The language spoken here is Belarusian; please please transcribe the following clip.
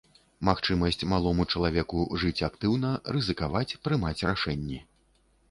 Магчымасць малому чалавеку жыць актыўна, рызыкаваць, прымаць рашэнні.